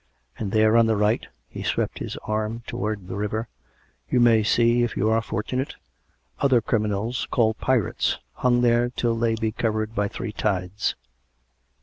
... And there on the right " (he swept his arm towards the river) " you may see, if you are fortunate, other criminals called pirates, hung there till they be cov ered by three tides."